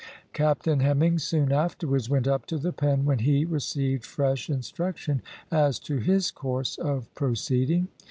Captain Hemming soon afterwards went up to the Pen, when he received fresh instruction as to his course of proceeding.